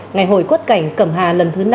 ngày hội quốc cảnh cẩm hà lần thứ năm